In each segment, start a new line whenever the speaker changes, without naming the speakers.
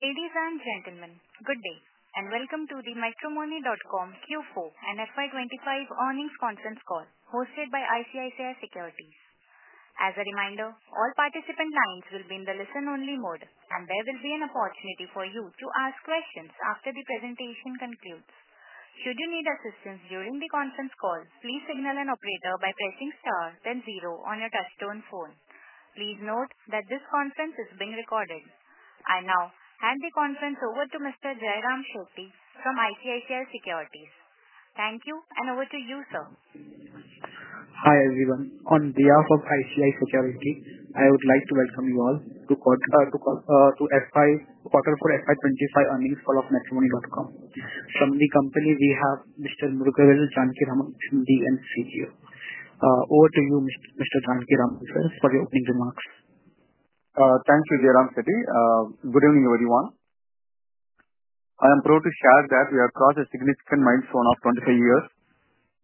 hosted by ICICI Securities. As a reminder, all participant lines will be in the listen-only mode, and there will be an opportunity for you to ask questions after the presentation concludes. Should you need assistance during the conference call, please signal an operator by pressing star, then zero on your touch-tone phone. Please note that this conference is being recorded. I now hand the conference over to Mr. Jayram Shetty from ICICI Securities. Thank you, and over to you, sir.
Hi everyone. On behalf of ICICI Securities, I would like to welcome you all to FY25 Earnings Call of Matrimony.com. From the company, we have Mr. Murugavel Janakiraman, CEO. Over to you, Mr. Janakiraman, sir, for your opening remarks.
Thank you, Jayaram Shetty. Good evening, everyone. I am proud to share that we are across a significant milestone of 25 years,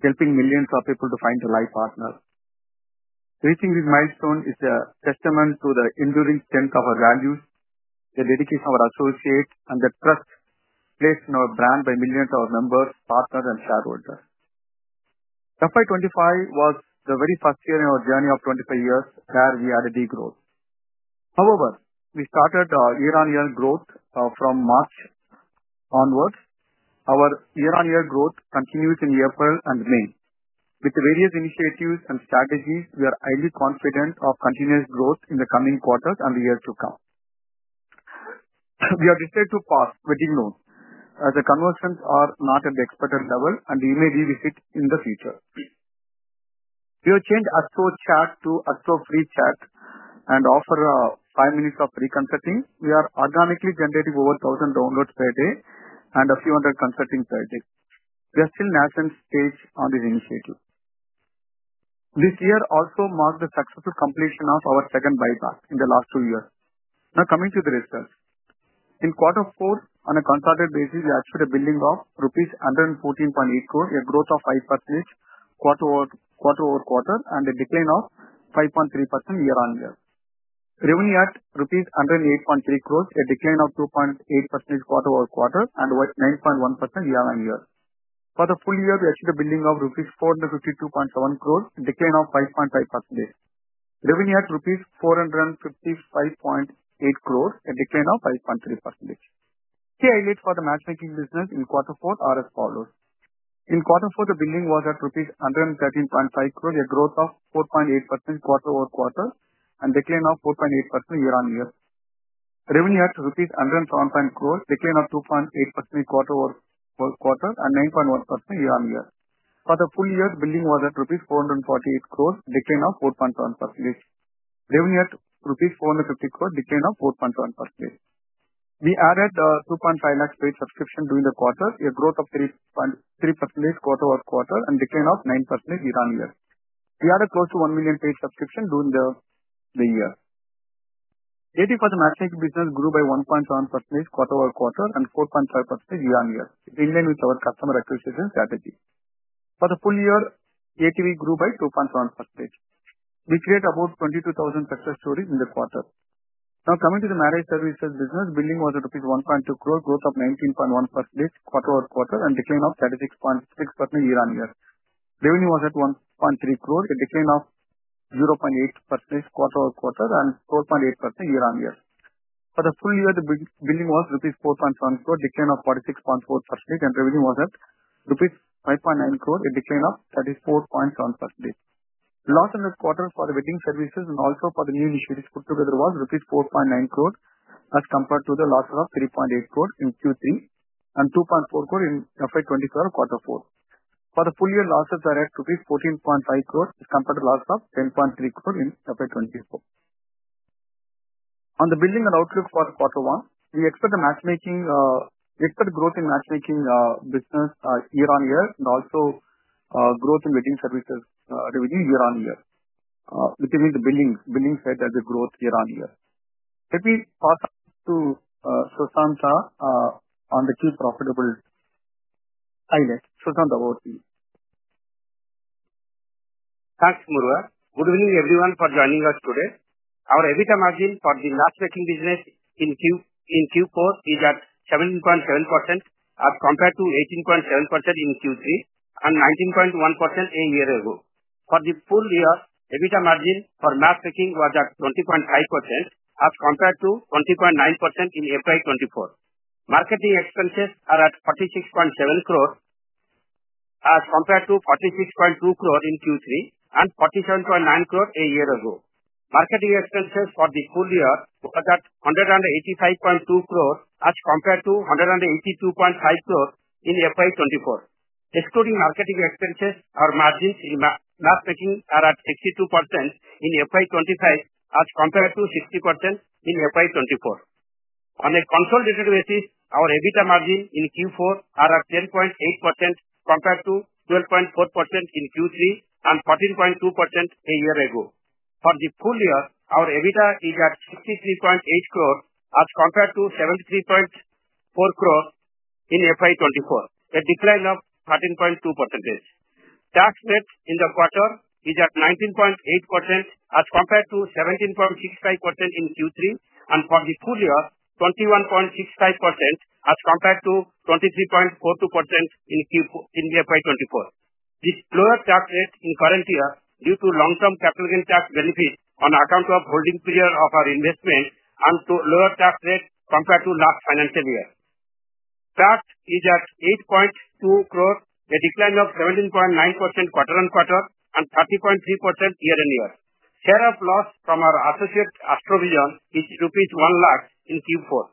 helping millions of people to find a life partner. Reaching this milestone is a testament to the enduring strength of our values, the dedication of our associates, and the trust placed in our brand by millions of our members, partners, and shareholders. FY 2025 was the very first year in our journey of 25 years where we had a degrowth. However, we started year-on-year growth from March onwards. Our year-on-year growth continues in April and May. With the various initiatives and strategies, we are highly confident of continuous growth in the coming quarters and the years to come. We are decided to pause Wedding Loans as the conversions are not at the expected level, and we may revisit it in the future. We have changed AstroChat to AstroFreeChat and offer five minutes of free consulting. We are organically generating over 1,000 downloads per day and a few hundred consulting per day. We are still nascent stage. Revenue at INR 107.5 crore, a decline of 2.8% quarter-over-quarter, and 9.1% year-on-year. For the full year, the billing was at INR 448 crore, a decline of 4.7%. Revenue at INR 450 crore, a decline of 4.7%. We added a INR 2.5 lakh paid subscription during the quarter, a growth of 3% quarter-over-quarter, and a decline of 9% year-on-year. We added close to 1 million paid subscriptions during the year. ATV for the matchmaking business grew by 1.7% quarter-over-quarter and 4.5% year-on-year, in line with our customer acquisition strategy. For the full year, ATV grew by 2.7%. We created about 22,000 success stories in the quarter. Now, coming to the marriage services business, the billing was at rupees 1.2 crore, a growth of 19.1% quarter-over-quarter, and a decline of 36.6% year-on-year. Revenue was at 1.3 crore, a decline of 0.8% quarter-over-quarter, and 12.8% year-on-year. For the full year, the billing was rupees 4.7 crore, a decline of 46.4%, and revenue was at rupees 5.9 crore, a decline of 34.7%. Loss in the quarter for the wedding services and also for the new initiatives put together was rupees 4.9 crore as compared to the loss of 3.8 crore in Q3 and 2.4 crore in FY 2024 quarter four. For the full year, losses were at rupees 14.5 crore as compared to loss of 10.3 crore in FY 2024. On the billing and outlook for quarter one, we expect growth in matchmaking business year-on-year and also growth in wedding services revenue year-on-year, which means the billing side has a growth year-on-year. Let me pass to Sushanth Pai on the key profitability highlight. Sushanth, over to you.
Thanks, Murugavel. Good evening, everyone, for joining us today. Our EBITDA margin for the matchmaking business in Q4 is at 17.7% as compared to 18.7% in Q3 and 19.1% a year ago. For the full year, EBITDA margin for matchmaking was at 20.5% as compared to 20.9% in 2024. Marketing expenses are at 46.7 crore as compared to 46.2 crore in Q3 and 47.9 crore a year ago. Marketing expenses for the full year were at 185.2 crore as compared to 182.5 crore in 2024. Excluding marketing expenses, our margins in matchmaking are at 62% in 2025 as compared to 60% in 2024. On a consolidated basis, our EBITDA margin in Q4 is at 10.8% compared to 12.4% in Q3 and 14.2% a year ago. For the full year, our EBITDA is at 63.8 crore as compared to 73.4 crore in 2024, a decline of 13.2%. Tax rate in the quarter is at 19.8% as compared to 17.65% in Q3, and for the full year, 21.65% as compared to 23.42% in FY2024. This lower tax rate in the current year is due to long-term capital gain tax benefits on account of the holding period of our investment and to the lower tax rate compared to last financial year. PAT is at 8.2 crore, a decline of 17.9% quarter-on-quarter and 30.3% year-on-year. Share of loss from our associate AstroVision is rupees 0.01 lakh in Q4.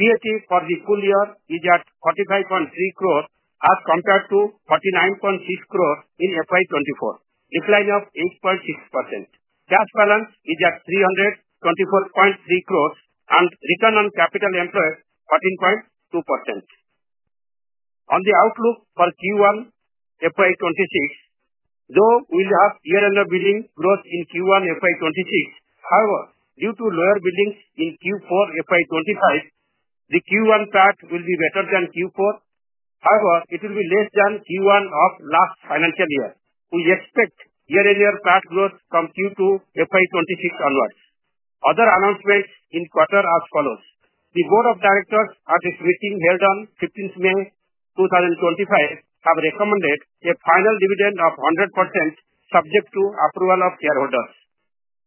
PAT for the full year is at 45.3 crore as compared to 49.6 crore in FY2024, a decline of 8.6%. Cash balance is at 324.3 crore, and return on capital employed is 14.2%. On the outlook for Q1 FY26, though we will have year-on-year billing growth in Q1 FY26, however, due to lower billings in Q4 FY25, the Q1 PAT will be better than Q4. However, it will be less than Q1 of last financial year. We expect year-on-year PAT growth from Q2 FY26 onwards. Other announcements in the quarter are as follows: The Board of Directors at its meeting held on 15th May 2025 have recommended a final dividend of 100%, subject to approval of shareholders.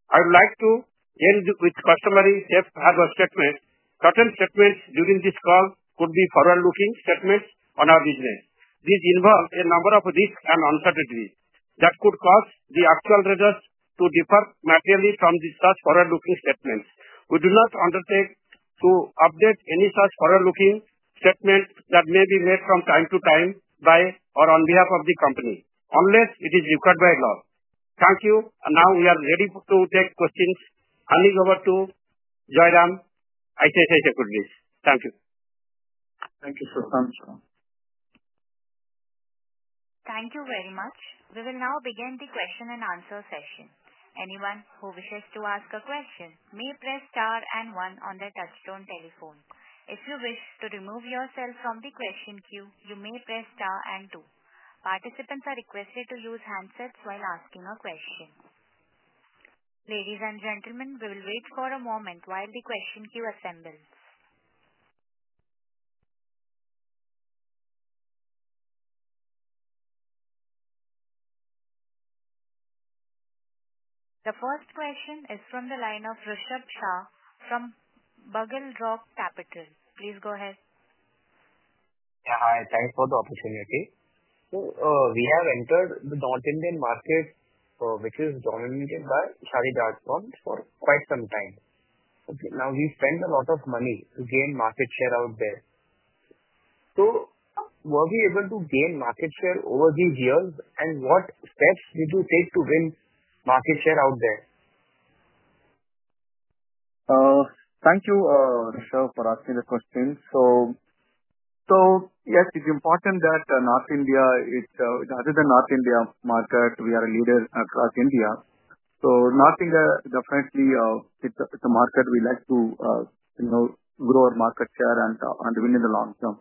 I would like to end with a customary safe harbor statement. Certain statements during this call could be forward-looking statements on our business. This involves a number of risks and uncertainties that could cause the actual results to differ materially from the such forward-looking statements. We do not undertake to update any such forward-looking statement that may be made from time to time by or on behalf of the company, unless it is required by law. Thank you, and now we are ready to take questions. Handing over to Jayaram, ICICI Securities. Thank you.
Thank you, Sushanth.
Thank you very much. We will now begin the question and answer session. Anyone who wishes to ask a question may press star and one on their touch-tone telephone. If you wish to remove yourself from the question queue, you may press star and two. Participants are requested to use handsets while asking a question. Ladies and gentlemen, we will wait for a moment while the question queue assembles. The first question is from the line of Rishabh Shah from BugleRock Capital. Please go ahead.
Yeah, hi. Thanks for the opportunity. We have entered the India market, which is dominated by Shaadi.com, for quite some time. Now, we spend a lot of money to gain market share out there. Were we able to gain market share over these years, and what steps did you take to win market share out there?
Thank you, Rishabh, for asking the question. Yes, it's important that North India, other than the North India market, we are a leader across India. North India definitely is a market we like to grow our market share and win in the long term.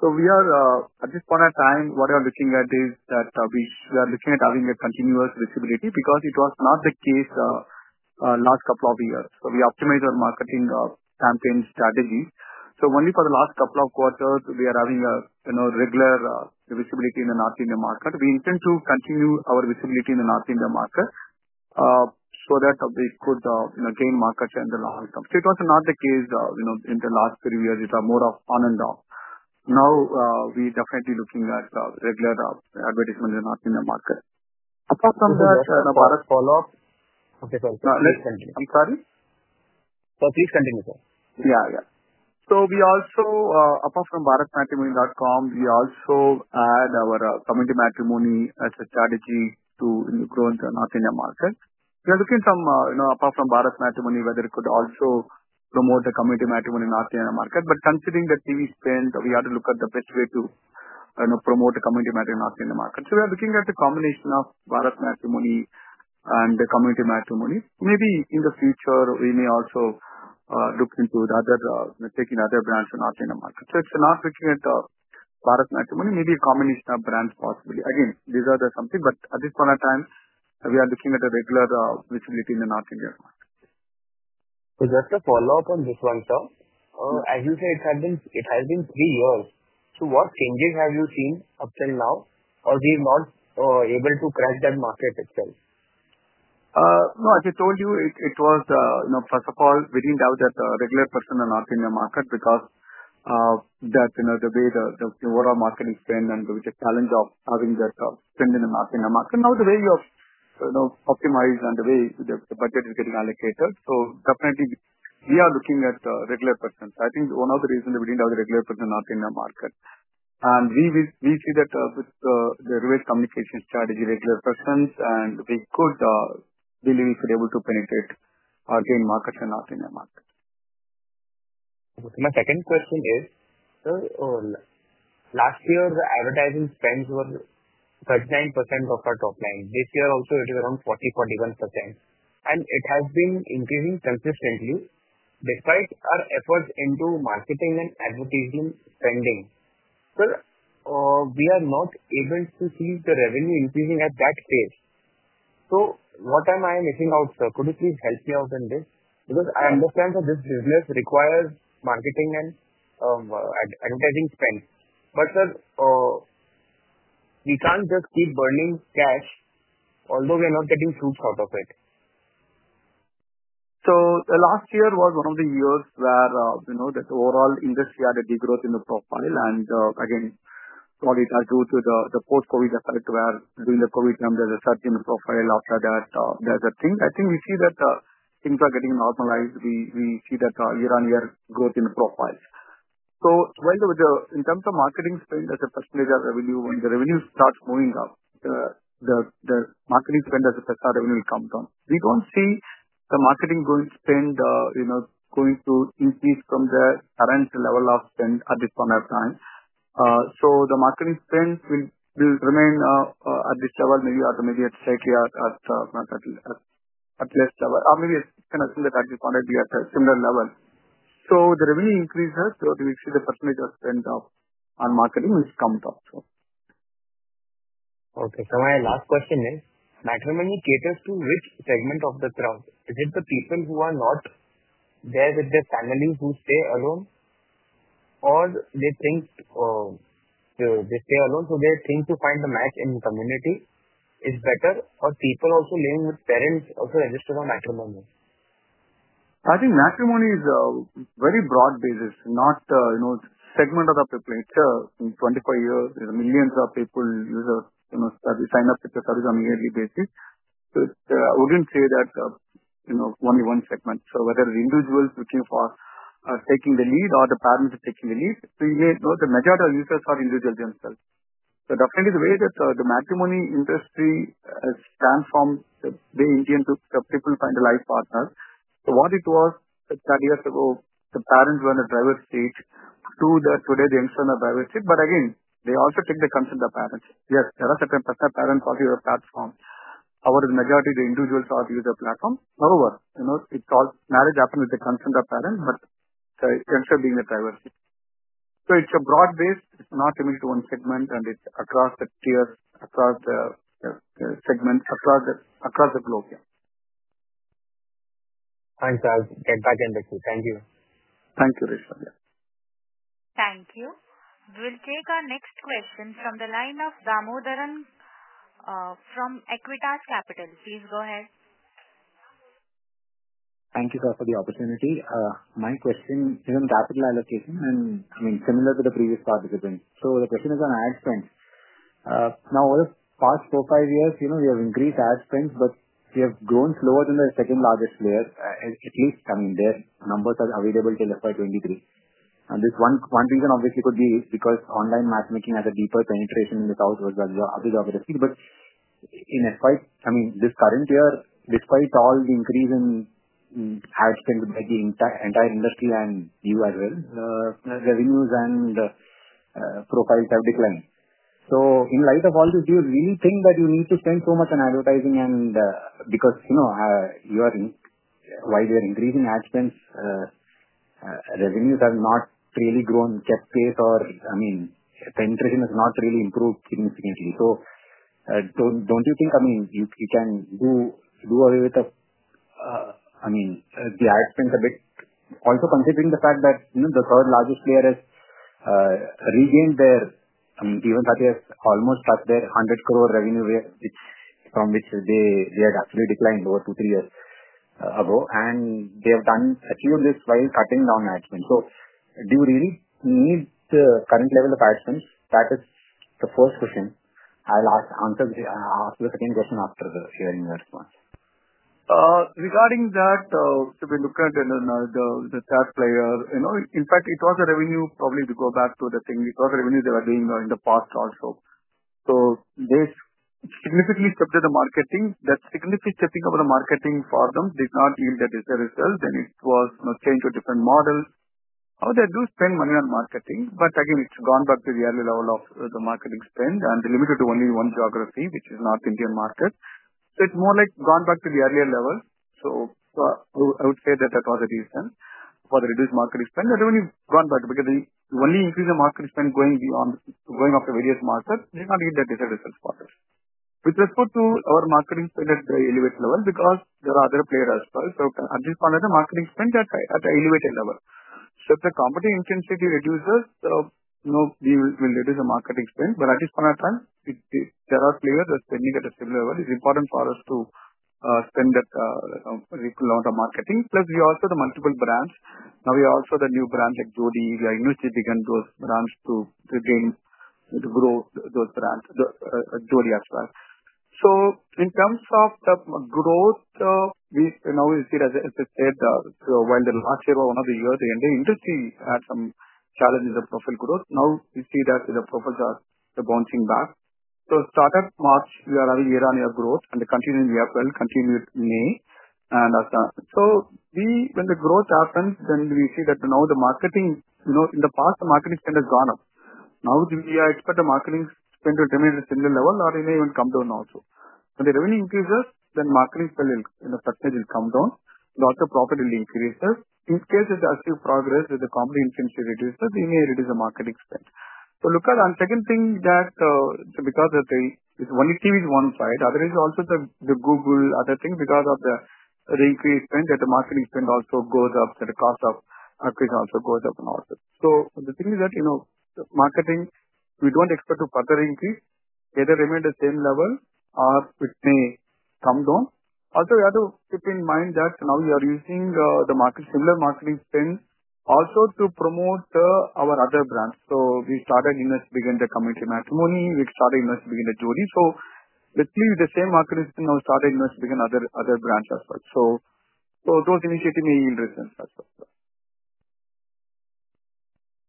At this point in time, what we are looking at is that we are looking at having a continuous visibility because it was not the case last couple of years. We optimized our marketing campaign strategy. Only for the last couple of quarters, we are having a regular visibility in the North India market. We intend to continue our visibility in the North India market so that we could gain market share in the long term. It was not the case in the last three years. It was more of on and off. Now, we are definitely looking at regular advertisement in the North India market. Apart from that. Can I follow up? Okay, sorry. No, please continue. I'm sorry?
Please continue, sir.
Yeah, yeah. We also, apart from BharatMatrimony.com, we also add our CommunityMatrimony as a strategy to grow into the North India market. We are looking at some, apart from BharatMatrimony, whether it could also promote the CommunityMatrimony in the North India market. Considering that we spent, we had to look at the best way to promote the CommunityMatrimony in the North India market. We are looking at a combination of BharatMatrimony and the CommunityMatrimony. Maybe in the future, we may also look into taking other brands to the North India market. If we're not looking at BharatMatrimony, maybe a combination of brands possibly. Again, these are the something, but at this point in time, we are looking at a regular visibility in the North India market.
Just a follow-up on this one, sir. As you said, it has been three years. What changes have you seen up till now, or we've not been able to crack that market itself?
No, as I told you, it was, first of all, we didn't have that regular person in the North India market because of the way the overall market is spent and the challenge of having that spend in the North India market. Now, the way you have optimized and the way the budget is getting allocated, definitely, we are looking at regular persons. I think one of the reasons we didn't have the regular person in the North India market. We see that with the reverse communication strategy, regular persons, and we could be able to penetrate or gain markets in the North India market.
My second question is, sir, last year, the advertising spends were 39% of our top line. This year also, it is around 40%-41%. It has been increasing consistently despite our efforts into marketing and advertising spending. Sir, we are not able to see the revenue increasing at that pace. What am I missing out, sir? Could you please help me out in this? I understand that this business requires marketing and advertising spend. Sir, we can't just keep burning cash, although we are not getting fruits out of it.
Last year was one of the years where the overall industry had a degrowth in the profile. Again, probably due to the post-COVID effect where during the COVID term, there is a surge in the profile. After that, there is a thing. I think we see that things are getting normalized. We see that year-on-year growth in the profiles. In terms of marketing spend as a percentage of revenue, when the revenue starts moving up, the marketing spend as a percentage of revenue will come down. We do not see the marketing spend going to increase from the current level of spend at this point in time. The marketing spend will remain at this level, maybe automatically at less level. Or maybe I can assume that at this point, it will be at a similar level. The revenue increases, so we see the percentage of spend on marketing which comes up, sir.
Okay. So my last question is, Matrimony caters to which segment of the crowd? Is it the people who are not there with their family who stay alone? Or they stay alone, so they think to find a match in the community is better? Or people also living with parents also register for matrimony?
I think Matrimony is a very broad basis, not a segment of the population. In 25 years, millions of people use a—we sign up with the surge on a yearly basis. I would not say that only one segment. Whether the individuals are looking for taking the lead or the parents are taking the lead, we may know the majority of users are individuals themselves. Definitely, the way that the matrimony industry has transformed the way Indian people find a life partner. What it was that years ago, the parents were on a driver's seat to today, the youngsters are on a driver's seat. Again, they also take the consent of parents. Yes, there are certain personal parents who use a platform. However, the majority of the individuals are using a platform. However, it's called marriage happens with the consent of parents, but the youngster being a driver's seat. It's a broad base. It's not limited to one segment, and it's across the tiers, across the segments, across the globe, yeah.
Thanks, sir. I'll get back in the queue. Thank you.
Thank you, Rishabh.
Thank you. We will take our next question from the line of Damodaran from Acuitas Capital. Please go ahead.
Thank you, sir, for the opportunity. My question is on capital allocation and, I mean, similar to the previous participants. The question is on ad spend. Now, over the past four, five years, we have increased ad spend, but we have grown slower than the second-largest player, at lEast. I mean, their numbers are available till FY2023. One reason obviously could be because online matchmaking has a deeper penetration in the South with BharatMatrimony. In FY, I mean, this current year, despite all the increase in ad spend with the entire industry and you as well, revenues and profiles have declined. In light of all this, do you really think that you need to spend so much on advertising? Because while we are increasing ad spends, revenues have not really grown at pace or, I mean, penetration has not really improved significantly. Don't you think, I mean, you can do away with the, I mean, the ad spend a bit? Also considering the fact that the third-largest player has regained their, I mean, Jeevansathi has almost touched their 100 crore revenue from which they had actually declined over two, three years ago. And they have achieved this while cutting down ad spend. Do you really need the current level of ad spend? That is the first question. I'll answer the second question after hearing your response.
Regarding that, we look at the third player. In fact, it was a revenue, probably to go back to the thing, it was a revenue they were doing in the past also. They significantly subdued the marketing. That significant stepping over the marketing for them did not yield the desired results. It was changed to a different model. However, they do spend money on marketing. Again, it has gone back to the early level of the marketing spend and limited to only one geography, which is the North Indian market. It is more like gone back to the earlier level. I would say that was the reason for the reduced marketing spend. That revenue gone back because if you only increase the marketing spend going after various markets, they are not getting the desired results for them. With respect to our marketing spend at the elevated level because there are other players as well. At this point in time, marketing spend is at an elevated level. If the competition intensity reduces, we will reduce the marketing spend. At this point in time, there are players who are spending at a similar level. It's important for us to spend a lot on marketing. Plus, we also have multiple brands. We also have new brands like Jodii. We are initially beginning those brands to grow those brands, Jodii as well. In terms of the growth, we now see that, as I said, while the last year was one of the years the industry had some challenges in the profile growth, we now see that the profiles are bouncing back. Started March, we are having year-on-year growth, and the continuing year-to-year growth continued May. When the growth happens, then we see that now the marketing, in the past, the marketing spend has gone up. Now, we expect the marketing spend to remain at a similar level or it may even come down also. When the revenue increases, then marketing spend will, in a certain way, come down. Lots of profit will increase. In case that the active progress with the company intensity reduces, we may reduce the marketing spend. Look at the second thing that because of the one issue is one side. Other issue is also the Google, other things because of the increased spend that the marketing spend also goes up, that the cost of marketing also goes up also. The thing is that marketing, we do not expect to further increase. Either remain at the same level or it may come down. Also, we have to keep in mind that now we are using the similar marketing spend also to promote our other brands. We started investing in Community Matrimony. We started investing in Jodii. Basically, with the same marketing spend, now we started investing in other brands as well. Those initiatives may yield returns as well.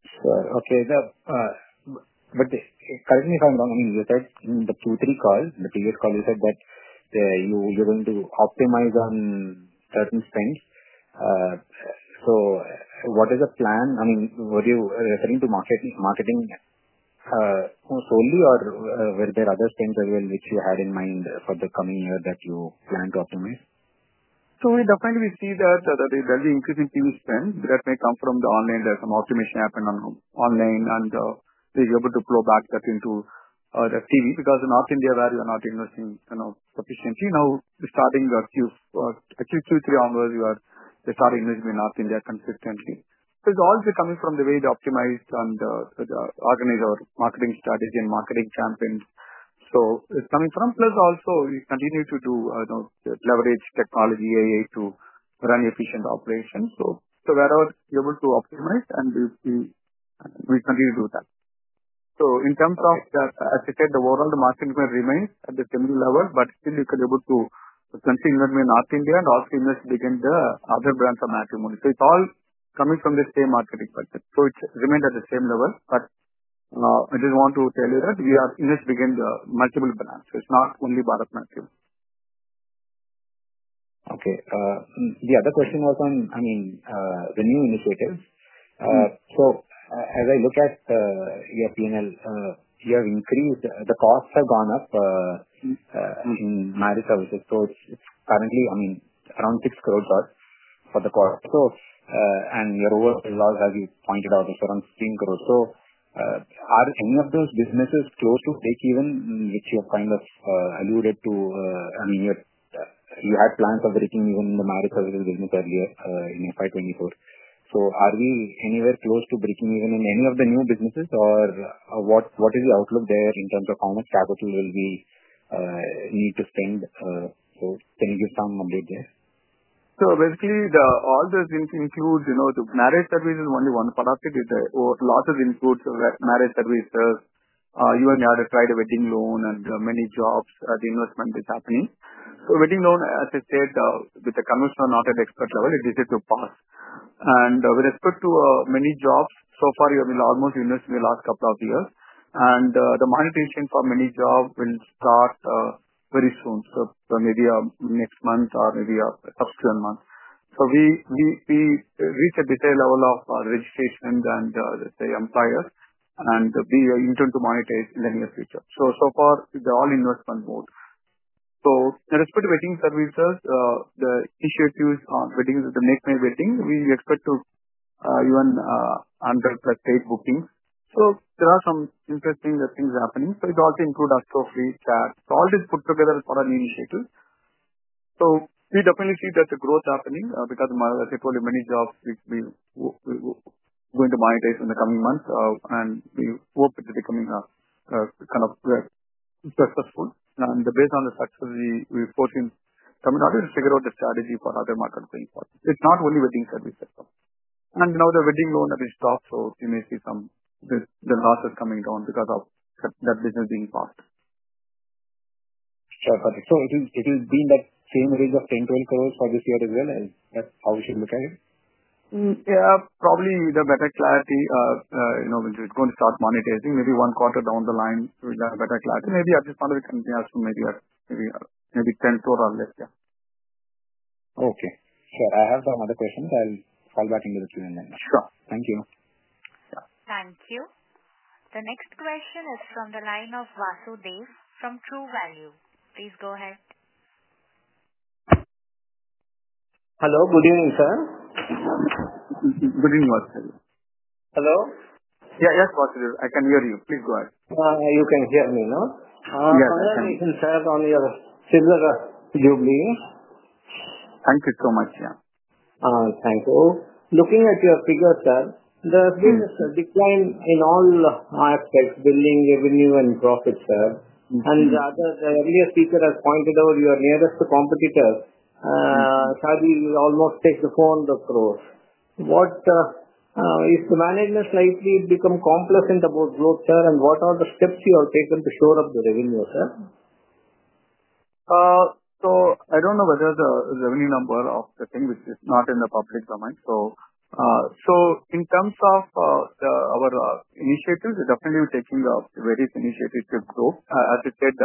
Sure. Okay. Correct me if I'm wrong. I mean, you said in the two, three calls, the previous call, you said that you're going to optimize on certain spends. What is the plan? I mean, were you referring to marketing solely or were there other spends as well which you had in mind for the coming year that you plan to optimize?
Definitely, we see that there will be increasing TV spend. That may come from the online that some optimization happened online, and we'll be able to plow back that into the TV because in North India, where we are not investing sufficiently, now we're starting Q2, Q3 almost, we are starting investing in North India consistently. It's also coming from the way the optimized and the organized marketing strategy and marketing campaigns. It's coming from that. Plus, also, we continue to do leverage technology AI to run efficient operations. Wherever we're able to optimize, and we continue to do that. In terms of, as I said, overall, the marketing spend remains at the similar level, but still, you can be able to continue that in North India and also investing in the other brands of Matrimony. It's all coming from the same marketing perspective. It remained at the same level. I just want to tell you that we are investing in multiple brands. It's not only BharatMatrimony.
Okay. The other question was on, I mean, new initiatives. As I look at your P&L, you have increased the costs have gone up in marriage services. It is currently, I mean, around 6 crore for the cost. Your overall loss, as you pointed out, is around 3 crore. Are any of those businesses close to breakeven, which you have kind of alluded to? I mean, you had plans of breaking even the marriage services business earlier in FY 2024. Are we anywhere close to breaking even in any of the new businesses, or what is the outlook there in terms of how much capital will we need to spend? Can you give some update there?
Basically, all those include the marriage services, only one part of it. Lots of inputs, marriage services, you and I have tried a WeddingLoan and ManyJobs, the investment is happening. WeddingLoan, as I said, with the conventional not at expert level, it is yet to pass. With respect to ManyJobs, so far, we have almost invested in the last couple of years. The monetization for ManyJobs will start very soon, so maybe next month or maybe subsequent month. We reach a desired level of registrations and, let's say, employers, and we are intending to monetize in the near future. So far, they're all in investment mode. With respect to wedding services, the initiatives on weddings, the MakeMyWedding, we expect to even undertake bookings. There are some interesting things happening. It also includes AstroFreeChat. All this put together is for an initiative. We definitely see that the growth is happening because, as I said, probably ManyJobs we're going to monetize in the coming months. We hope it will become kind of successful. Based on the success, we're forcing someone to figure out the strategy for other markets going forward. It's not only wedding services. Now the wedding loan has been stopped, so you may see some losses coming down because of that business being passed.
Sure. Perfect. So it will be in that same range of 10 crore-12 crore for this year as well? Is that how we should look at it?
Yeah. Probably with better clarity, we're going to start monetizing. Maybe one quarter down the line, we'll have better clarity. Maybe at this point, we can be asked for maybe INR 10 crore or less, yeah.
Okay. Sure. I have some other questions. I'll call back into the Q&A now.
Sure. Thank you.
Thank you. The next question is from the line of Vasudev from True Value. Please go ahead.
Hello. Good evening, sir.
Good evening, Vasudev.
Hello?
Yeah. Yes, Vasudev. I can hear you. Please go ahead.
You can hear me, no?
Yes. I can hear you
sir, on your silver jubilee.
Thank you so much, yeah.
Thank you. Looking at your figure, sir, there has been a decline in all aspects, billing, revenue, and profit, sir. The earlier speaker has pointed out you are nearest to competitors. Shaadi.com almost takes the phone. Of course. Is the management slightly become complacent about growth, sir? What are the steps you have taken to shore up the revenue, sir?
I don't know whether the revenue number of the thing, which is not in the public domain. In terms of our initiatives, we're definitely taking various initiatives to grow. As I said,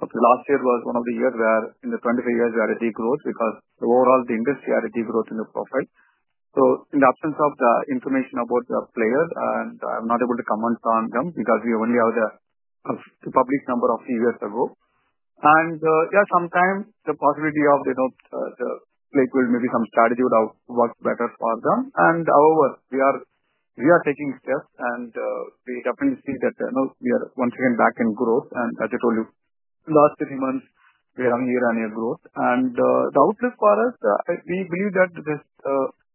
last year was one of the years where in the 23 years, we had a degrowth because overall, the industry had a degrowth in the profile. In the absence of the information about the players, I'm not able to comment on them because we only have the public number of a few years ago. Yeah, sometimes the possibility of the play will maybe some strategy would have worked better for them. However, we are taking steps, and we definitely see that we are once again back in growth. As I told you, in the last three months, we are having year-on-year growth. The outlook for us, we believe that there's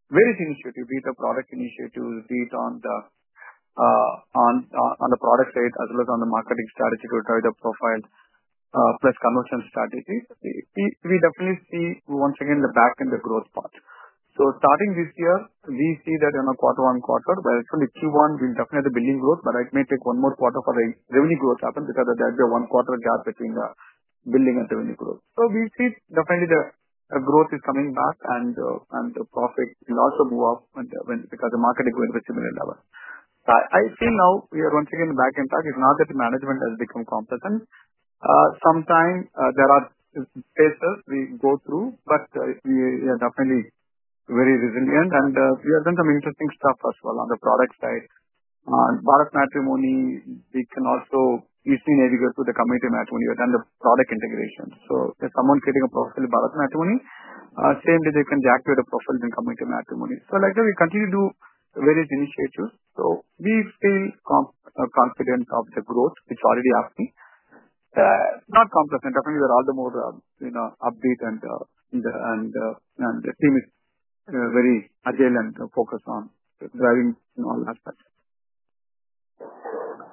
various initiatives, be it the product initiatives, be it on the product side as well as on the marketing strategy to drive the profile, plus conventional strategies. We definitely see once again the back and the growth part. Starting this year, we see that in quarter-one-quarter, well, actually Q1, we'll definitely have the building growth, but it may take one more quarter for the revenue growth to happen because there will be a one-quarter gap between the building and revenue growth. We see definitely the growth is coming back, and the profit will also move up because the market is going to a similar level. I feel now we are once again back in touch. It's not that the management has become complacent. Sometimes there are phases we go through, but we are definitely very resilient. We have done some interesting stuff as well on the product side. BharatMatrimony, we can also easily navigate to the CommunityMatrimony and the product integration. If someone is creating a profile in BharatMatrimony, same day, they can deactivate a profile in CommunityMatrimony. Like I said, we continue to do various initiatives. We feel confident of the growth, which already happened. Not complacent. Definitely, we are all the more upbeat, and the team is very agile and focused on driving all aspects.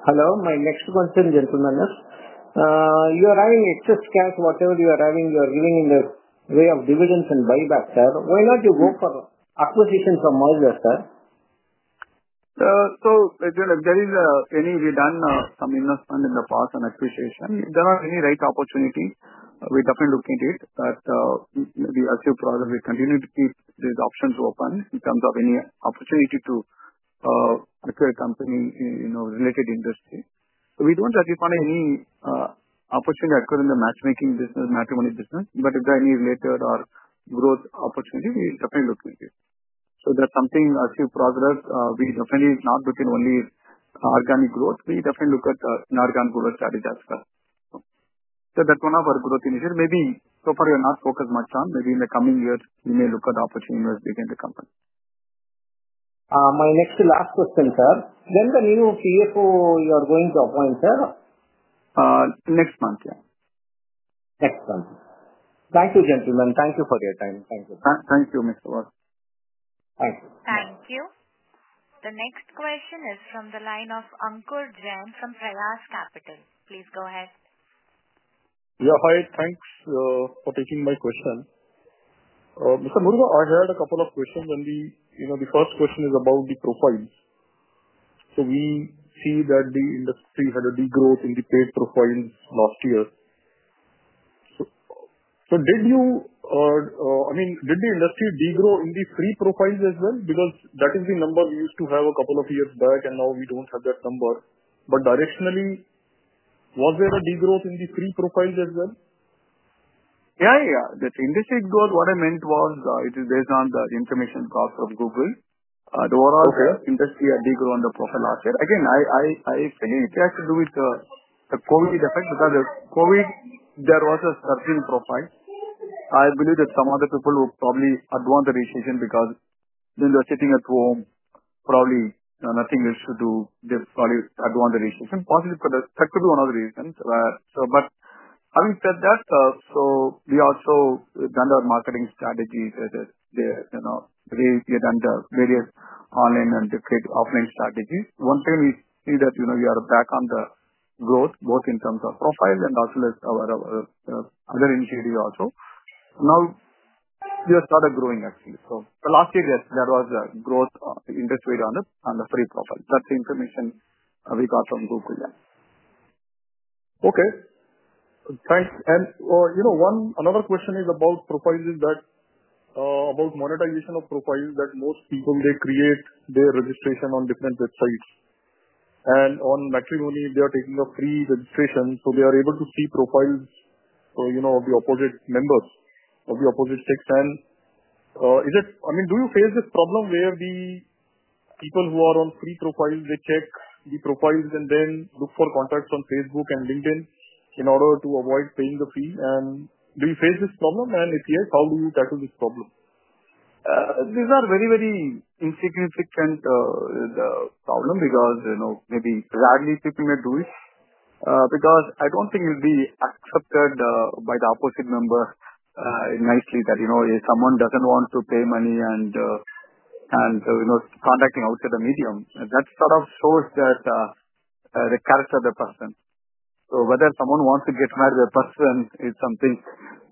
Hello. My next question, gentlemen. You are having excess cash. Whatever you are having, you are giving in the way of dividends and buybacks, sir. Why not you go for acquisitions from others, sir?
If there is any, we've done some investment in the past and acquisition. There are many right opportunities. We definitely look into it. We assume further we continue to keep these options open in terms of any opportunity to acquire a company in a related industry. We don't see any opportunity to acquire in the matchmaking business, matrimony business. If there are any related or growth opportunities, we definitely look into it. That's something as we progress. We definitely not looking only at organic growth. We definitely look at inorganic growth strategy as well. That's one of our growth initiatives. Maybe so far, we are not focused much on. Maybe in the coming years, we may look at opportunities within the company.
My next last question, sir. When the new CFO you are going to appoint, sir?
Next month, yeah.
Next month. Thank you, gentlemen. Thank you for your time. Thank you.
Thank you, Mr. Vasudev. Thank you.
Thank you. The next question is from the line of Ankur Jain from Priyas Capital. Please go ahead.
Yeah. Hi. Thanks for taking my question. Mr. Murugavel, I had a couple of questions. The first question is about the profiles. We see that the industry had a degrowth in the paid profiles last year. Did you, I mean, did the industry degrow in the free profiles as well? That is the number we used to have a couple of years back, and now we do not have that number. Directionally, was there a degrowth in the free profiles as well?
Yeah. Yeah. The industry growth, what I meant was based on the information cost of Google. The overall industry had degrown the profile last year. Again, I feel it has to do with the COVID effect because of COVID, there was a surging profile. I believe that some other people will probably advance the registration because when they're sitting at home, probably nothing else to do. They probably advance the registration. Possibly could have to be one of the reasons. Having said that, we also done our marketing strategies as it is there. We have done the various online and offline strategies. Once again, we see that we are back on the growth, both in terms of profile and also as our other initiatives also. Now, we have started growing, actually. Last year, there was a growth in this way on the free profile. That's the information we got from Google, yeah.
Okay. Thanks. Another question is about monetization of profiles that most people, they create their registration on different websites. On Matrimony, they are taking a free registration. They are able to see profiles of the opposite members, of the opposite sex. I mean, do you face this problem where the people who are on free profiles, they check the profiles and then look for contacts on Facebook and LinkedIn in order to avoid paying the fee? Do you face this problem? If yes, how do you tackle this problem?
These are very, very insignificant problems because maybe rarely people may do it. I do not think it will be accepted by the opposite member nicely that if someone does not want to pay money and is contacting outside the medium. That sort of shows the character of the person. Whether someone wants to get married to a person is something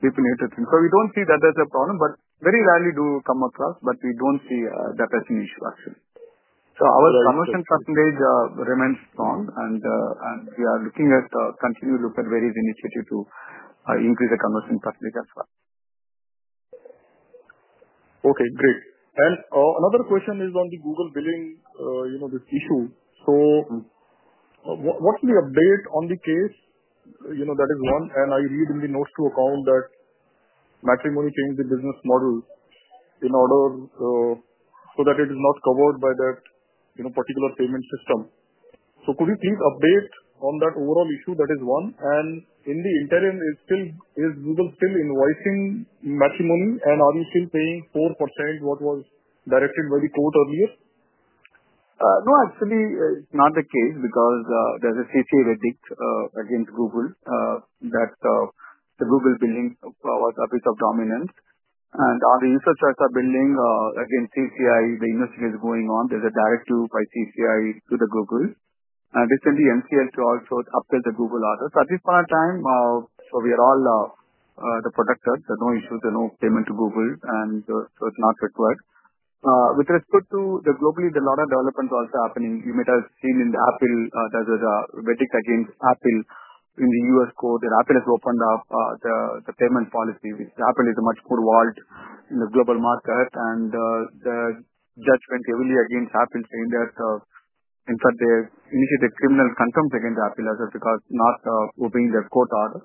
people need to think. We do not see that as a problem, but very rarely do come across, but we do not see that as an issue, actually. Our conversion percentage remains strong, and we are continuing to look at various initiatives to increase the conversion percentage as well.
Okay. Great. Another question is on the Google billing, this issue. What is the update on the case? That is one. I read in the notes to account that Matrimony changed the business model in order so that it is not covered by that particular payment system. Could you please update on that overall issue? That is one. In the interim, is Google still invoicing Matrimony, and are you still paying 4% as was directed by the court earlier?
No, actually, it's not the case because there's a CCI verdict against Google that the Google billing was a bit of dominance. On the User Choice Billing against CCI, the investigation is going on. There's a directive by CCI to Google. Recently, CJEU also upheld the Google order. At this point in time, we are all the productors. There are no issues. There are no payments to Google, and it's not required. With respect to the globally, there are a lot of developments also happening. You may have seen in Apple, there's a verdict against Apple in the U.S. court that Apple has opened up the payment policy, which Apple is much more involved in the global market. The judge went heavily against Apple, saying that in fact, they initiated criminal contempt against Apple as well because not obeying their court order.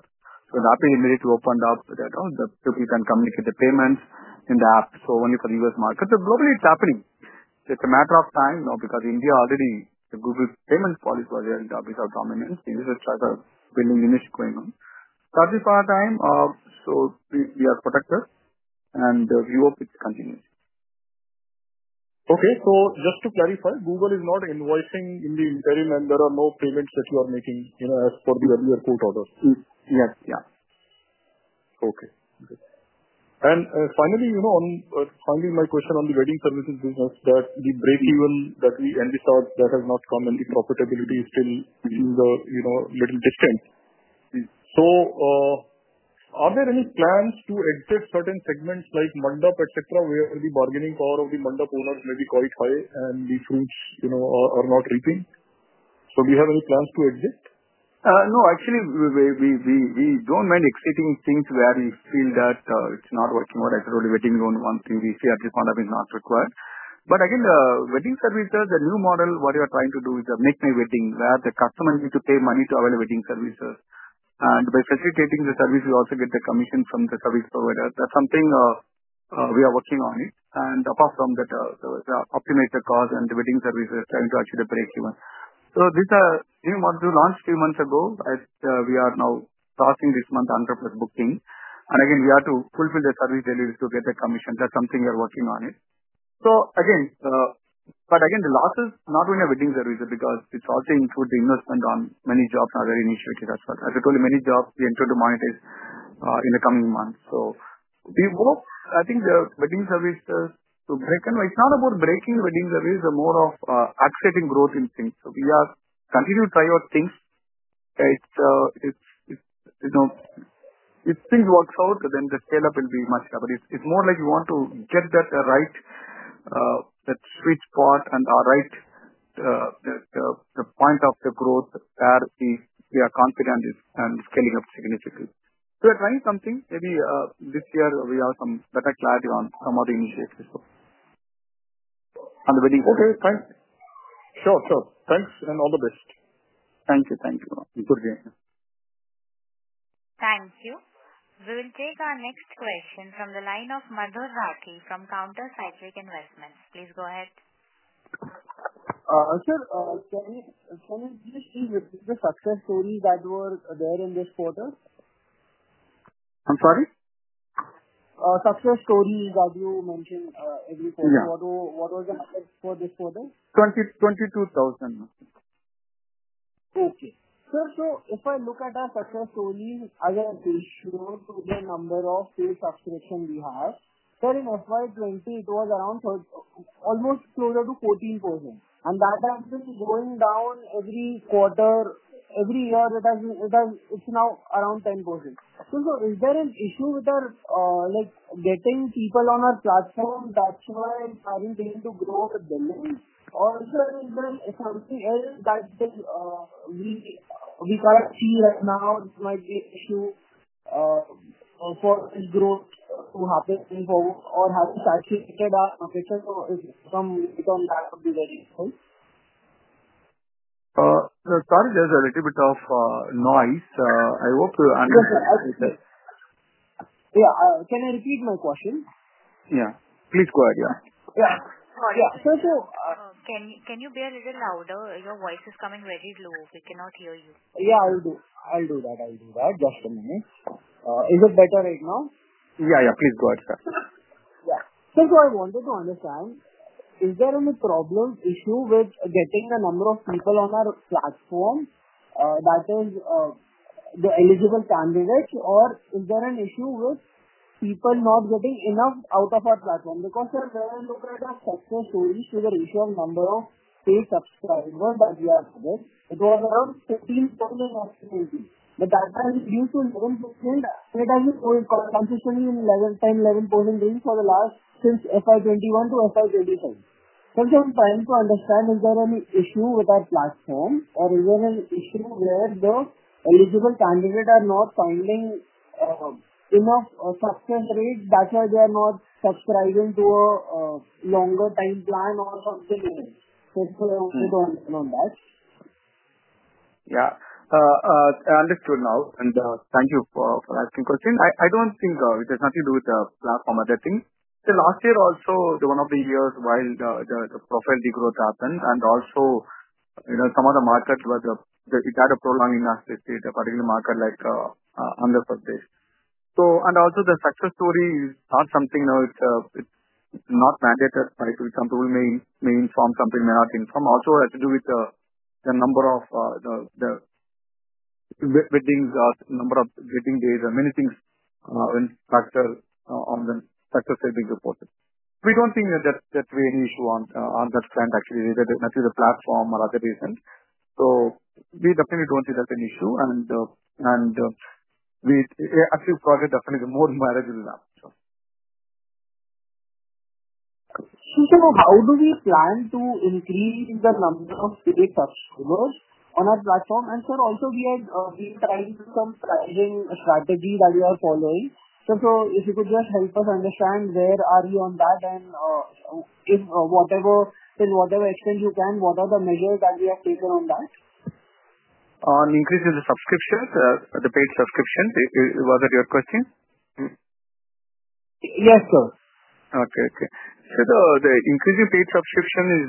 Apple immediately opened up that, "Oh, the people can communicate the payments in the app, so only for the U.S. market." Globally, it's happening. It's a matter of time because in India, already, the Google payment policy was there in terms of dominance. The User Choice Billing initiative going on. At this point in time, we are protected, and we hope it continues.
Okay. So just to clarify, Google is not invoicing in the interim, and there are no payments that you are making as per the earlier court orders?
Yes. Yeah.
Okay. Good. Finally, my question on the wedding services business, that the break-even that we envisaged, that has not come and the profitability is still a little distant. Are there any plans to exit certain segments like Mandap, etc., where the bargaining power of the Mandap owners may be quite high and the fruits are not reaping? Do you have any plans to exit?
No. Actually, we don't mind exiting things where we feel that it's not working well. As I told you, wedding is the only one thing we see at this point of time is not required. The wedding services, the new model, what we are trying to do is a MakeMyWedding where the customer needs to pay money to avail wedding services. By facilitating the service, we also get the commission from the service provider. That's something we are working on. Apart from that, we are optimizing the cost and the wedding services, trying to achieve the break-even. This new model launched a few months ago. We are now passing this month 100+ booking. We have to fulfill the service delivery to get the commission. That's something we are working on. Again, the losses, not only in the wedding services because it also includes the investment on ManyJobs and other initiatives as well. As I told you, ManyJobs we intend to monetize in the coming months. We hope, I think, the wedding services to break—it's not about breaking the wedding services. It's more of accelerating growth in things. We are continuing to try out things. If things work out, then the scale-up will be much better. It's more like we want to get that right, that sweet spot and the right point of the growth where we are confident and scaling up significantly. We are trying something. Maybe this year, we have some better clarity on some other initiatives on the wedding services.
Okay. Thanks. Sure. Sure. Thanks and all the best.
Thank you. Thank you. Good day.
Thank you. We will take our next question from the line of Madhur Rathi from Counter Cyclical Investments. Please go ahead.
Sir, can you please share the success stories that were there in this quarter?
I'm sorry?
Success stories that you mentioned earlier quarter. What was the success for this quarter?
22,000.
Okay. Sir, if I look at our success stories as an issue to the number of sales subscription we have, then in FY2020, it was around almost closer to 14%. That has been going down every quarter. Every year, it is now around 10%. Is there an issue with getting people on our platform that you are having to grow the billing? Or, sir, is there something else that we cannot see right now? This might be an issue for growth to happen or have to saturate our application. If some data on that would be very useful.
Sorry, there's a little bit of noise. I hope to—
Yeah. Can I repeat my question?
Yeah, please go ahead.
Yeah. Yeah. So, sir—
Can you be a little louder? Your voice is coming very low. We cannot hear you.
Yeah. I'll do that. I'll do that. Just a moment. Is it better right now?
Yeah. Yeah. Please go ahead, sir.
Yeah. Sir, so I wanted to understand, is there any problem, issue with getting the number of people on our platform, that is, the eligible candidates? Or is there an issue with people not getting enough out of our platform? Because, sir, when I look at our success stories, we were issued a number of paid subscribers that we have had. It was around 15% in FY2020. But that time it used to be 11%. It has been consistently in 10%-11% range for the last since FY2021 to FY2025. Sir, so I'm trying to understand, is there any issue with our platform? Or is there an issue where the eligible candidates are not finding enough success rates? That's why they are not subscribing to a longer time plan or something else? So I wanted to understand on that.
Yeah. I understood now. Thank you for asking the question. I don't think it has anything to do with the platform or the thing. Last year also, one of the years while the profile degrowth happened. Also, some of the markets were—it had a prolonging last year, particularly a market like Andhra Pradesh. Also, the success story is not something—it's not mandated by some rule. May inform something, may not inform. Also, it has to do with the number of the weddings, number of wedding days, and many things when factors on the success rate being reported. We don't think that we have any issue on that front, actually, whether it is due to the platform or other reasons. We definitely don't see that as an issue. We actually project definitely more marriages now.
Sir, how do we plan to increase the number of paid subscribers on our platform? Also, we are trying some strategies that we are following. Sir, if you could just help us understand, where are you on that? To whatever extent you can, what are the measures that we have taken on that?
On increasing the subscriptions, the paid subscriptions. Was that your question?
Yes, sir.
Okay. Okay. Sir, the increasing paid subscription is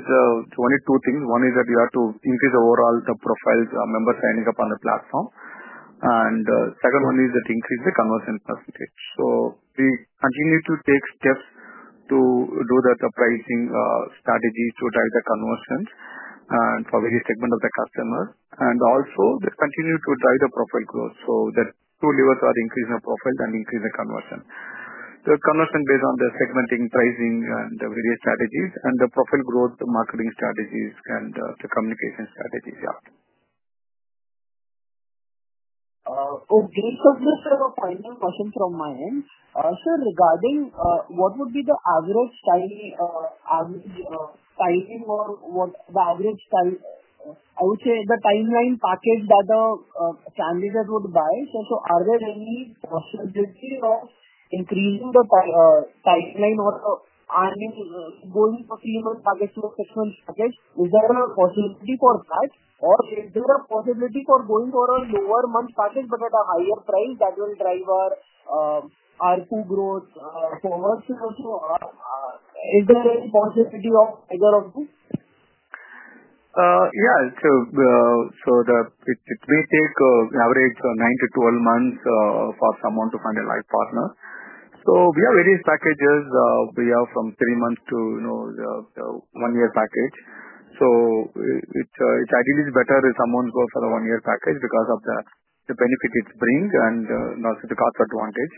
one of two things. One is that we have to increase overall the profiles, members signing up on the platform. The second one is that increase the conversion percentage. We continue to take steps to do that pricing strategy to drive the conversions for various segments of the customers. Also, we continue to drive the profile growth. The two levers are increasing the profile and increasing the conversion. The conversion based on the segmenting, pricing, and various strategies. The profile growth, the marketing strategies, and the communication strategies, yeah.
Okay. Sir, just a final question from my end. Sir, regarding what would be the average timing or what the average—I would say the timeline package that a candidate would buy, sir, are there any possibilities of increasing the timeline or going for a three-month package to a six-month package? Is there a possibility for that? Is there a possibility for going for a lower-month package but at a higher price that will drive our R2 growth forward? Sir, is there any possibility of either of two?
Yeah. So it may take an average of nine to 12 months for someone to find a life partner. We have various packages. We have from three months to the one-year package. It is ideally better if someone goes for the one-year package because of the benefit it brings and also the cost advantage.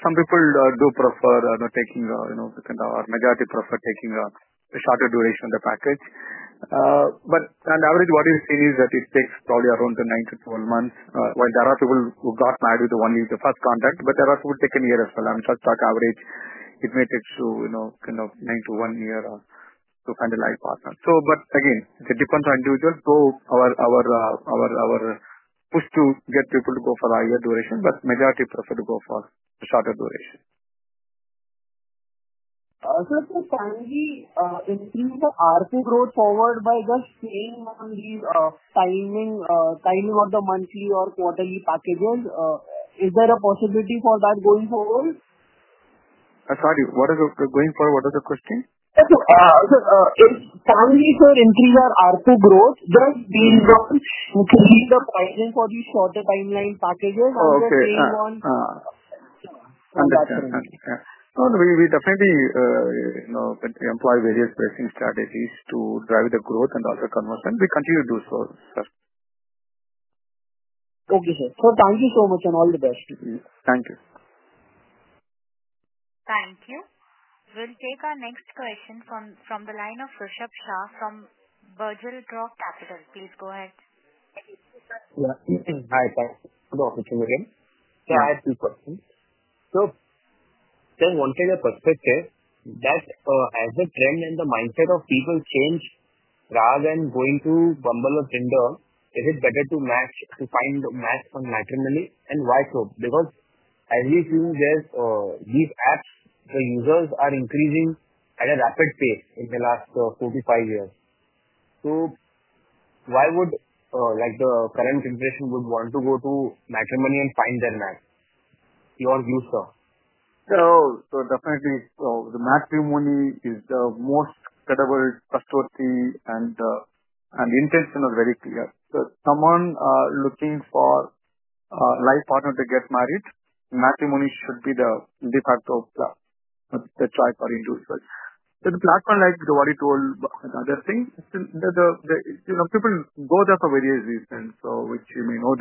Some people do prefer taking—or majority prefer taking—a shorter duration of the package. On average, what we've seen is that it takes probably around nine to 12 months. While there are people who got married with the one-year, the first contact, there are people who take a year as well. I mean, just talk average, it may take kind of nine to one year to find a life partner. Again, it depends on individual. Our push to get people to go for a higher duration, but majority prefer to go for a shorter duration.
Sir, so can we increase the R2 growth forward by just staying on the timing of the monthly or quarterly packages? Is there a possibility for that going forward?
Sorry. Going forward, what was the question?
Sir, if can we, sir, increase our R2 growth just based on increasing the pricing for these shorter timeline packages and just staying on that term?
Understood. Understood. Yeah. No, we definitely employ various pricing strategies to drive the growth and also conversion. We continue to do so, sir.
Okay, sir. Sir, thank you so much and all the best.
Thank you.
Thank you. We'll take our next question from the line of Kashyap Shah from Burjil Drop Capital. Please go ahead.
Yeah. Hi, sir. Hello Murugavel. I have two questions. From a volunteer perspective, has the trend and the mindset of people changed rather than going to Bumble or Tinder? Is it better to find a match on Matrimony? Why so? As we see, these apps, the users are increasing at a rapid pace in the last four to five years. Why would the current generation want to go to Matrimony and find their match? Your view, sir.
Definitely, Matrimony is the most credible custody, and the intention was very clear. Someone looking for a life partner to get married, Matrimony should be the de facto choice for individuals. The platform, like what you told, and other things. People go there for various reasons, which you may know.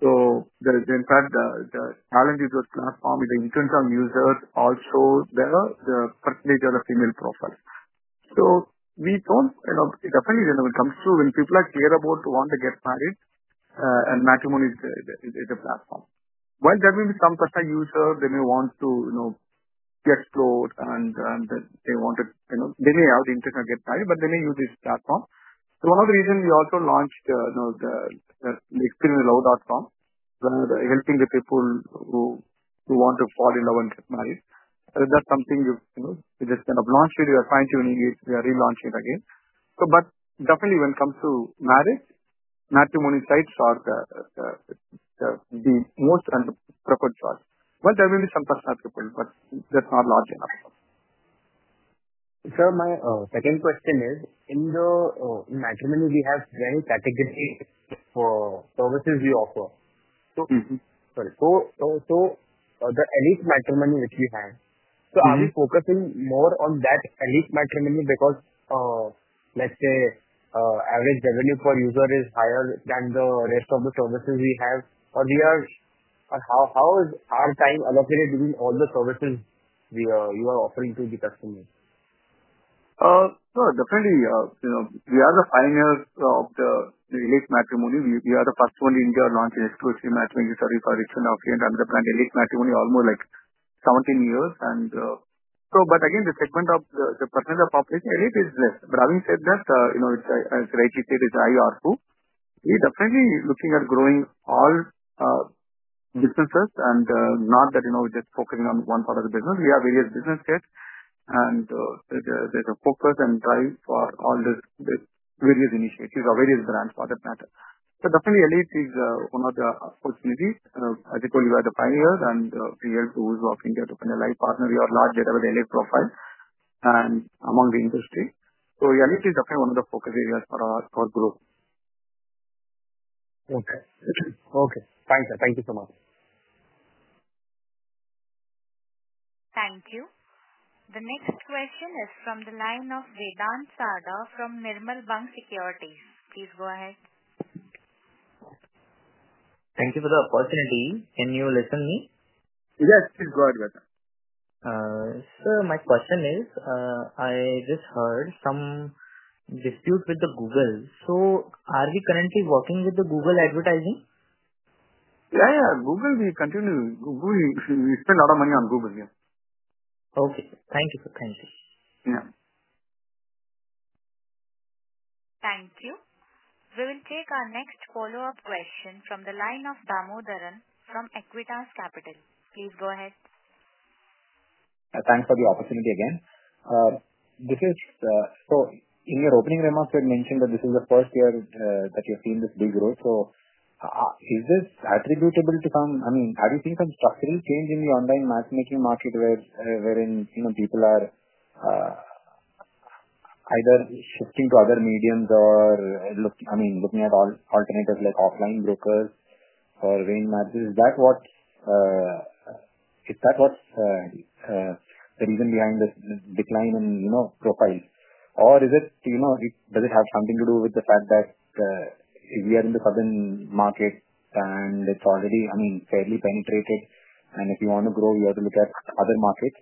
In fact, the challenge with the platform is the intent of users also there, the percentage of the female profiles. We do not—it definitely comes through when people are clear about wanting to get married, and Matrimony is the platform. While there may be some casual users, they may want to explore, and they may have the intention to get married, but they may use this platform. One of the reasons we also launched the experience at Luv.com, helping the people who want to fall in love and get married. That's something we just kind of launched. We are fine-tuning it. We are relaunching it again. Definitely, when it comes to marriage, matrimony sites are the most preferred choice. There may be some customer people, but that's not large enough.
Sir, my second question is, in Matrimony, we have many categories for services we offer. So the Elite Matrimony which we have, so are we focusing more on that Elite Matrimony because, let's say, average revenue per user is higher than the rest of the services we have? Or how is our time allocated between all the services you are offering to the customer?
Sure. Definitely. We are the pioneers of the Elite Matrimony. We are the first one in India to launch an exclusive matrimony service for rich and affluent. I'm the brand Elite Matrimony almost like 17 years. Again, the segment of the percentage of elite is less. Having said that, as Raji said, it's a high ARPU. We are definitely looking at growing all businesses and not that we're just focusing on one part of the business. We have various business sets, and there's a focus and drive for all the various initiatives or various brands for that matter. Elite is one of the opportunities. As I told you, we are the pioneers, and we help the whole of India to find a life partner. We are large with elite profiles among the industry. Elite is definitely one of the focus areas for our growth.
Okay. Okay. Thanks, sir. Thank you so much.
Thank you. The next question is from the line of Vedant Sarda from Nirmal Bang Securities. Please go ahead.
Thank you for the opportunity. Can you listen to me?
Yes. Please go ahead, Vedant.
Sir, my question is, I just heard some dispute with Google. Are we currently working with Google Advertising?
Yeah. Yeah. Google, we continue to—we spend a lot of money on Google. Yeah.
Okay. Thank you. Thank you.
Yeah.
Thank you. We will take our next follow-up question from the line of Damodaran from Acuitas Capital. Please go ahead.
Thanks for the opportunity again. In your opening remarks, you had mentioned that this is the first year that you've seen this big growth. Is this attributable to some—I mean, are you seeing some structural change in the online matchmaking market wherein people are either shifting to other mediums or looking at alternatives like offline brokers or waiting matches? Is that what's the reason behind this decline in profiles? Or does it have something to do with the fact that we are in the Southern market and it's already, I mean, fairly penetrated? If you want to grow, you have to look at other markets.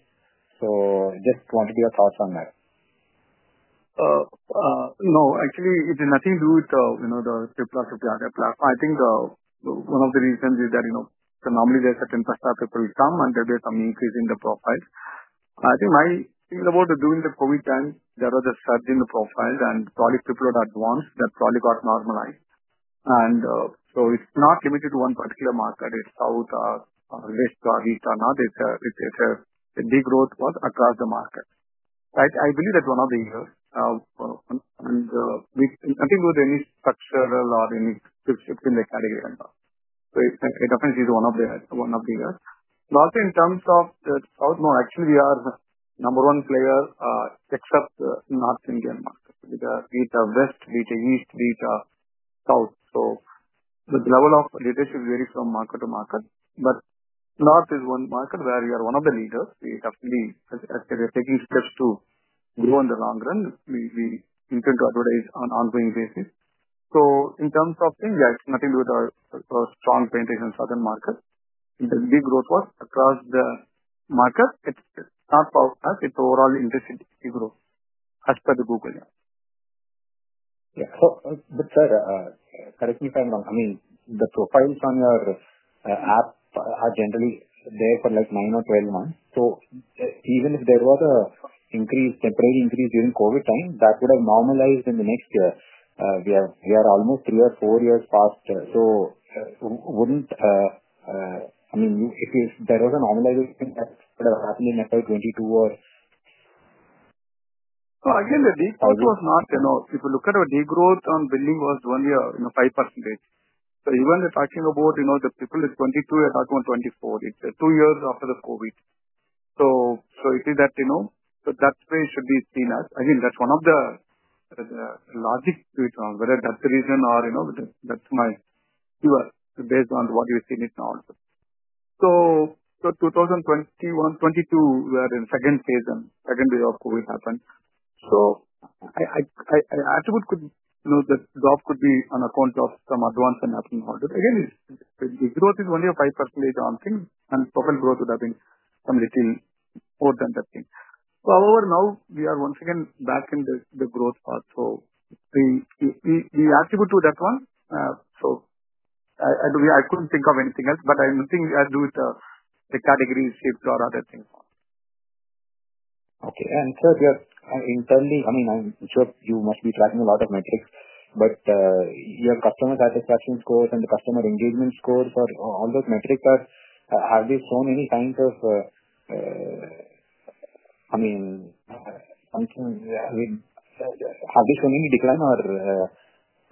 Just wanted your thoughts on that.
No. Actually, it has nothing to do with the profiles of the other platform. I think one of the reasons is that normally there's a certain customer, people will come, and there will be some increase in the profiles. I think my thing about during the COVID times, there was a surge in the profiles, and probably pipeline at once, that probably got normalized. It is not limited to one particular market. It's South, or West, or East, or North. It's a big growth across the market. I believe that one of the years. It has nothing to do with any structural or any shift in the category and all. It definitely is one of the years. Also, in terms of the South, no, actually, we are number one player, except the North Indian market. We are beat the West, beat the East, beat the South. The level of leadership varies from market to market. North is one market where we are one of the leaders. We definitely, as I said, are taking steps to grow in the long run. We intend to advertise on an ongoing basis. In terms of things, yeah, it has nothing to do with our strong penetration in the Southern market. The big growth was across the market. It is not powerful, but it is overall interested to grow as per the Google.
Yeah. So, sir, correct me if I'm wrong. I mean, the profiles on your app are generally there for like nine or 12 months. So even if there was a temporary increase during COVID time, that would have normalized in the next year. We are almost three or four years past. So wouldn't—I mean, if there was a normalization, that would have happened in 2022 or?
Again, the degrowth was not—if you look at our degrowth on billing, it was only 5%. Even talking about the people at 2022, we are talking about 2024. It's two years after the COVID. It is that—so that way it should be seen as. Again, that's one of the logic to it, whether that's the reason or that's my view based on what we've seen it now. In 2021, 2022, we are in second phase, and second wave of COVID happened. I attribute that growth could be on account of some advance in Matrimony holders. Again, the growth is only 5% on things, and total growth would have been some little more than that thing. However, now we are once again back in the growth part. We attribute to that one. I couldn't think of anything else, but I think it has to do with the category shift or other things.
Okay. Sir, just internally, I mean, I'm sure you must be tracking a lot of metrics, but your customer satisfaction scores and the customer engagement scores or all those metrics, have they shown any kinds of—I mean, have they shown any decline or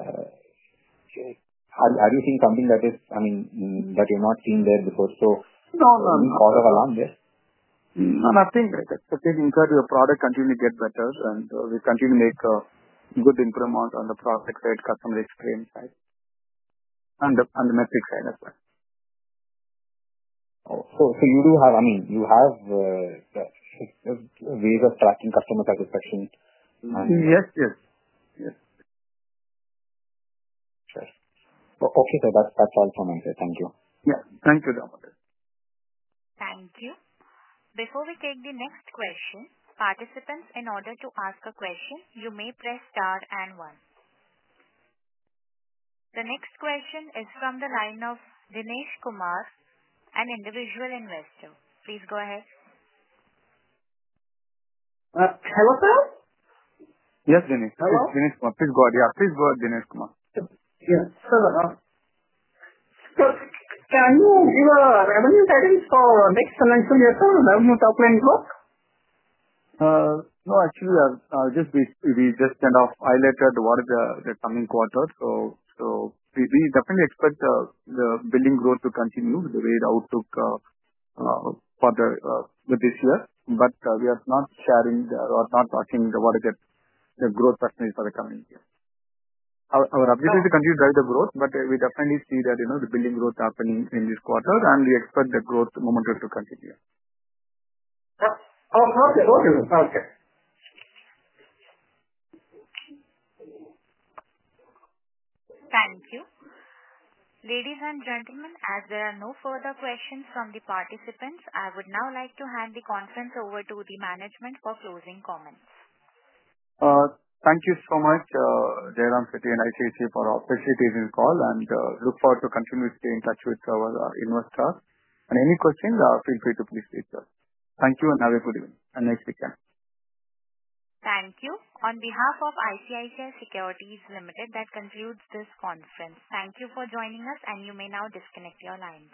are you seeing something that is—I mean, that you've not seen there before? Any cause of alarm there?
No, nothing. In fact, your product continues to get better, and we continue to make good improvements on the product side, customer experience side, and the metric side as well.
So you do have—I mean, you have ways of tracking customer satisfaction and?
Yes.
Sure. Okay, sir. That's all from me, sir. Thank you.
Yeah. Thank you, Damodaran.
Thank you. Before we take the next question, participants, in order to ask a question, you may press star and one. The next question is from the line of Dinesh Kumar, an individual investor. Please go ahead.
Hello, sir?
Yes, Dinesh. Hello, Dinesh Kumar. Please go ahead. Yeah, please go ahead, Dinesh Kumar.
Yes. Hello. So can you give a revenue guidance for next financial year or revenue top-line growth?
No, actually, we just kind of highlighted what is the coming quarter. We definitely expect the billing growth to continue the way it outlooked for this year. We are not sharing or not talking about the growth percentage for the coming year. Our objective is to continue to drive the growth, but we definitely see that the billing growth is happening in this quarter, and we expect the growth momentum to continue.
Okay.
Thank you. Ladies and gentlemen, as there are no further questions from the participants, I would now like to hand the conference over to the management for closing comments.
Thank you so much, Jayaram Shetty and ICICI Securities for facilitating the call. I look forward to continuing to stay in touch with our investors. Any questions, feel free to please reach us. Thank you and have a good evening and next weekend.
Thank you. On behalf of ICICI Securities, that concludes this conference. Thank you for joining us, and you may now disconnect your lines.